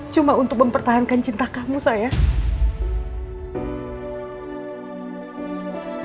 cuma untuk mempertahankan cinta kamu saya